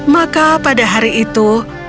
maka pada hari itu